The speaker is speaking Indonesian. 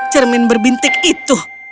cermin berbintik itu